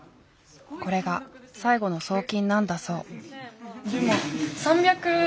これが最後の送金なんだそう。